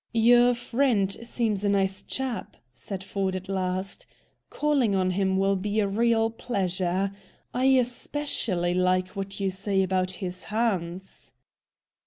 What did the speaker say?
"Your friend seems a nice chap," said Ford at last. "Calling on him will be a real pleasure. I especially like what you say about his hands."